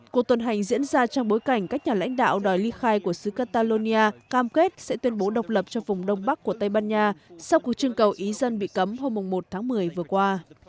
cuộc tuần hành diễn ra trong bối cảnh các nhà lãnh đạo đòi ly khai của sứ catalonia cam kết sẽ tuyên bố độc lập cho vùng đông bắc của tây ban nha sau cuộc trưng cầu ý dân bị cấm hôm một tháng một mươi vừa qua